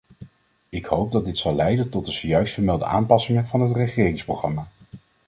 Ik hoop dat dit zal leiden tot de zojuist vermelde aanpassing van het regeringsprogramma.